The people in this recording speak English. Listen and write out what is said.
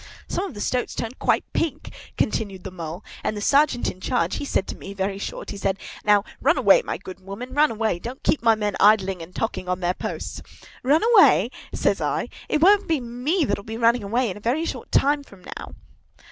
"Some of the stoats turned quite pink," continued the Mole, "and the Sergeant in charge, he said to me, very short, he said, 'Now run away, my good woman, run away! Don't keep my men idling and talking on their posts.' 'Run away?' says I; 'it won't be me that'll be running away, in a very short time from now!